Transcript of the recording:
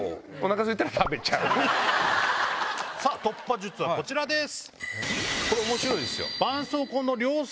突破術はこちらです！